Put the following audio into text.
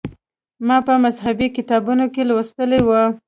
ما په مذهبي کتابونو کې لوستي و.